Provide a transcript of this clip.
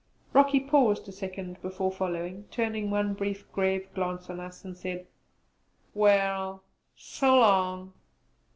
Rocky paused a second before following, turned one brief grave glance on us, and said: "Well. So long!"